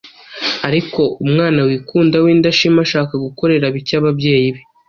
ariko umwana wikunda w’indashima, ashaka gukorera bike ababyeyi be,